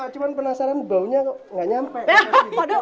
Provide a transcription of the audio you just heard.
cuman penasaran baunya gak nyampe